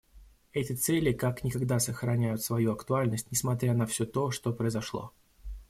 Эти цели как никогда сохраняют свою актуальность, несмотря на все то, что произошло.